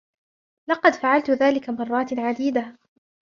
لقد فعلت ذلك مرات عديدة.